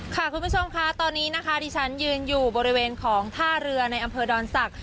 คุณผู้ชมค่ะตอนนี้นะคะที่ฉันยืนอยู่บริเวณของท่าเรือในอำเภอดอนศักดิ